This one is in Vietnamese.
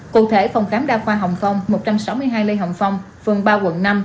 cụ thể phòng khám đa khoa hồng phong một trăm sáu mươi hai lê hồng phong phường ba quận năm